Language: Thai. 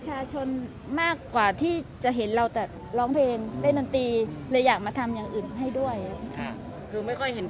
คือไม่ค่อยเห็นพี่เศกทำกับข้าวหรือ